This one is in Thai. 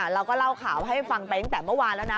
เราก็เล่าข่าวให้ฟังไปตั้งแต่เมื่อวานแล้วนะ